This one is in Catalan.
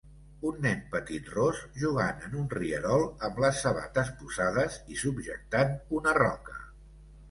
Un nen petit ros jugant en un rierol amb les sabates posades i subjectant una roca.